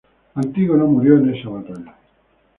Antígono murió en esta batalla.